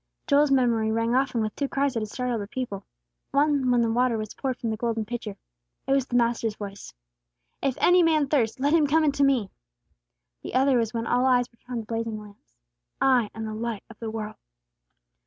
Joel's memory rang often with two cries that had startled the people. One when the water was poured from the golden pitcher. It was the Master's voice: "If any man thirst, let him come unto me." The other was when all eyes were turned on the blazing lamps. "_I am the Light of the World!